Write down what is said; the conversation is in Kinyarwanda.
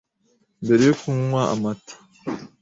mbere yo kunywa amata